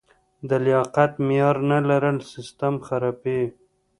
د لیاقت معیار نه لرل سیستم خرابوي.